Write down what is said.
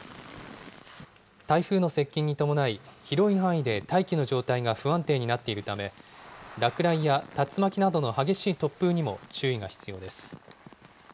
台風の接近に伴い、広い範囲で大気の状態が不安定になっているため、落雷や竜巻などの激しい突風にも注意が必要です。